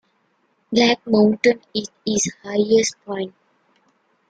Black Mountain is its highest point.